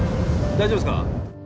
大丈夫ですか？